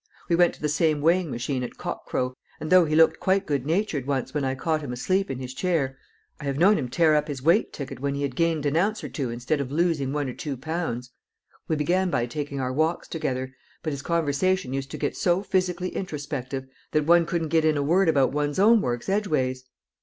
We went to the same weighing machine at cock crow, and though he looked quite good natured once when I caught him asleep in his chair, I have known him tear up his weight ticket when he had gained an ounce or two instead of losing one or two pounds. We began by taking our walks together, but his conversation used to get so physically introspective that one couldn't get in a word about one's own works edgeways."